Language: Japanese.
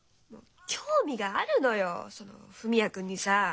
興味があるのよその文也君にさ。